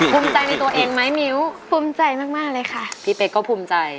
ภูมิใจในตัวเองไหมมิ้วภูมิใจมากมากเลยค่ะพี่เป๊กก็ภูมิใจ